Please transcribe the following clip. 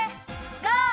ゴー！